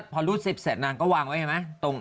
พอรูดซิบเสร็จนางก็วางไว้เห็นไหม